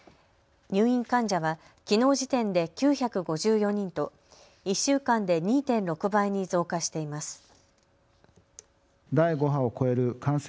入院患者は、きのう時点で９５４人と１週間で２．６倍に増加しています。